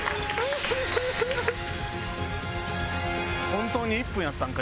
本当に１分やったんか？